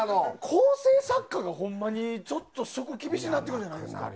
構成作家がほんまにちょっと職が厳しくなるんじゃないですか？